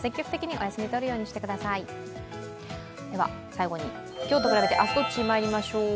最後に、今日と比べて明日どっちまいりましょう。